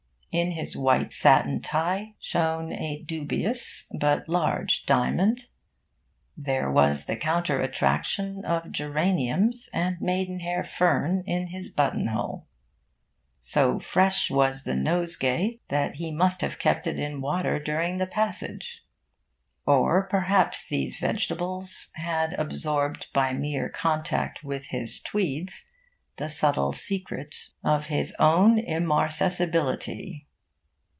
In his white satin tie shone a dubious but large diamond, and there was the counter attraction of geraniums and maidenhair fern in his button hole. So fresh was the nosegay that he must have kept it in water during the passage! Or perhaps these vegetables had absorbed by mere contact with his tweeds, the subtle secret of his own immarcescibility.